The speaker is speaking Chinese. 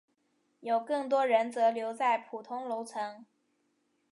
有更多人则留在普通楼层。